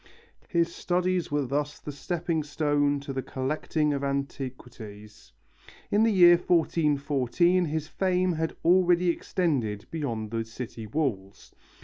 His studies were thus the stepping stone to the collecting of antiquities. In the year 1414 his fame had already extended beyond the city walls.